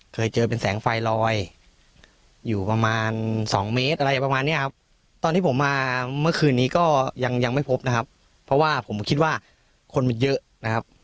เคยเจอเป็นแสงไฟลอยอยู่ประมาณสองเมตรอะไรประมาณเนี้ยครับตอนที่ผมมาเมื่อคืนนี้ก็ยังยังไม่พบนะครับเพราะว่าผมคิดว่าคนมันเยอะนะครับ